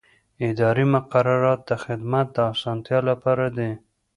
اداري مقررات د خدمت د اسانتیا لپاره دي.